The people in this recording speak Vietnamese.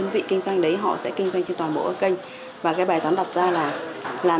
về cùng một nơi để tập trung xử lý